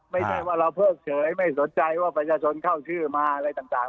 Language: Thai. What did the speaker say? ไม่ใช่ว่าเราเพิ่งเฉยไม่สนใจว่าประชาชนเข้าชื่อมาอะไรต่าง